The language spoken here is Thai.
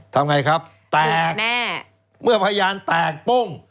ทำไงครับแตกแน่เมื่อพยานแตกปุ้ง